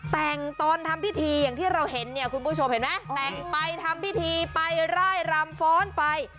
แต่งตอนทำพิธีอย่างที่เราเห็นเนี่ยคุณผู้ชมเห็นไหมแต่งไปทำพิธีไปร่ายรำฟ้อนไป